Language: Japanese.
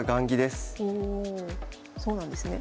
おそうなんですね。